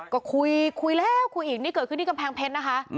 ก็คุยคุยแล้วคุยอีกนี่เกิดขึ้นที่กำแพงเพชรนะคะ